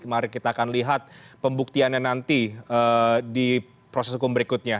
mari kita akan lihat pembuktiannya nanti di proses hukum berikutnya